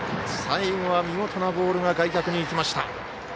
最後は見事なボールが外角に行きました。